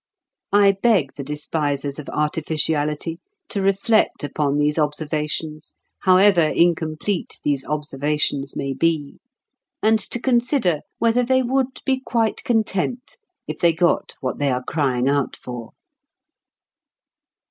I beg the despisers of artificiality to reflect upon these observations, however incomplete these observations may be, and to consider whether they would be quite content if they got what they are crying out for.